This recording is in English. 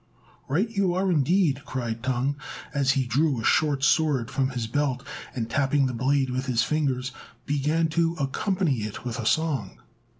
"Right you are, indeed!" cried Tung, as he drew a short sword from his belt, and, tapping the blade with his fingers, began to accompany it with a song.